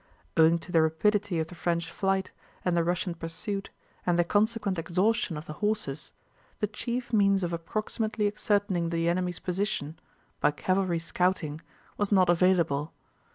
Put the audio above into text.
Owing to the rapidity of the French flight and the Russian pursuit and the consequent exhaustion of the horses, the chief means of approximately ascertaining the enemy's position—by cavalry scouting—was not available.